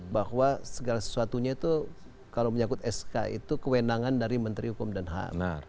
bahwa segala sesuatunya itu kalau menyangkut sk itu kewenangan dari menteri hukum dan ham